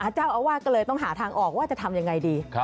เจ้าอาวาสก็เลยต้องหาทางออกว่าจะทำยังไงดี